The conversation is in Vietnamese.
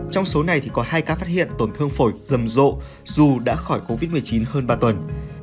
trong số này thì có hai ca phát hiện tổn thương phổi rầm rộ dù đã khỏi covid một mươi chín hơn ba tuần